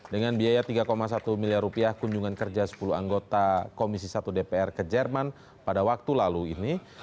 dengan biaya rp tiga satu miliar rupiah kunjungan kerja sepuluh anggota komisi satu dpr ke jerman pada waktu lalu ini